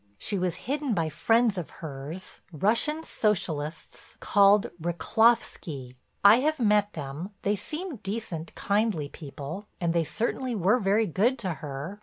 She was hidden by friends of hers, Russian socialists called Rychlovsky. I have met them; they seem decent, kindly people, and they certainly were very good to her.